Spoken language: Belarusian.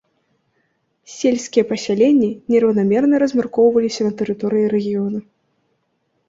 Сельскія пасяленні нераўнамерна размяркоўваліся на тэрыторыі рэгіёна.